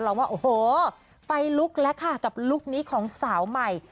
ว่าโอ้โหไฟลุกแล้วค่ะกับลุคนี้ของสาวใหม่